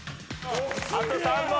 あと３問。